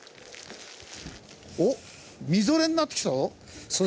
おっみぞれになってきたぞ。